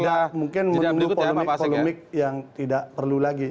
tidak mungkin menunggu polemik polemik yang tidak perlu lagi